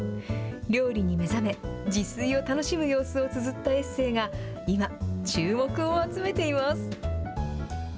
料理に目覚め、自炊を楽しむ様子をつづったエッセイが今、注目を集めています。